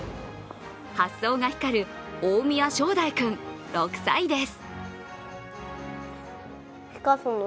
発想が光る大宮正乃君、６歳です。